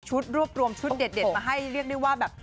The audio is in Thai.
รวบรวมชุดเด็ดมาให้เรียกได้ว่าแบบ